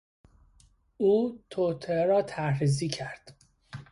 او توطئه را طرحریزی کرد.